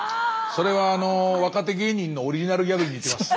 それは若手芸人のオリジナルギャグに似てます。